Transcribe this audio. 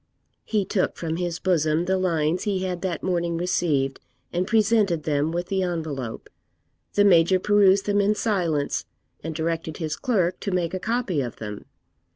He took from his bosom the lines he had that morning received, and presented them with the envelope. The Major perused them in silence, and directed his clerk to make a copy of them.